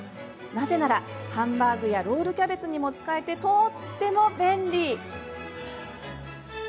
なぜなら、ハンバーグやロールキャベツにも使えてとっても便利！